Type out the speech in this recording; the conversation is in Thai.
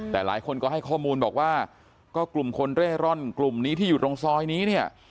แต่หลายคนก็ให้ข้อมูลบอกว่าก็กลุ่มคนเร่ร่อนกลุ่มนี้ที่อยู่ตรงซอยนี้เนี่ย